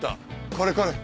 これこれ！